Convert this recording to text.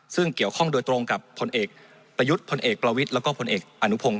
ซึ่งเกี่ยวข้องโดยตรงกับพลเอกประยุทธ์พลเอกประวิทย์แล้วก็พลเอกอนุพงศ